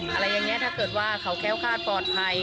อะไรอย่างนี้ถ้าเกิดว่าเขาแค้วคาดปลอดภัย